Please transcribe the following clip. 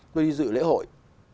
tôi đi dự lễ hội